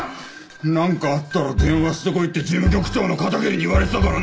なんかあったら電話してこいって事務局長の片桐に言われてたからな。